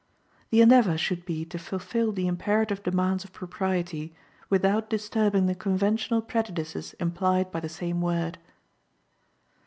The endeavor should be to fulfill the imperative demands of propriety, without disturbing the conventional prejudices implied by the same word.